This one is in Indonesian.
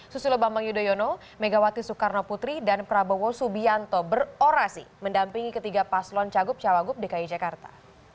susilo bambang yudhoyono megawati soekarno putri dan prabowo subianto berorasi mendampingi ketiga paslon cagup cawagup dki jakarta